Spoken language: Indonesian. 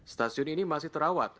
stasiun ini masih terawat